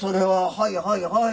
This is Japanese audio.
はいはいはい。